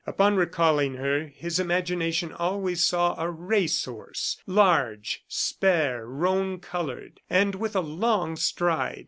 Upon recalling her, his imagination always saw a race horse large, spare, roan colored, and with a long stride.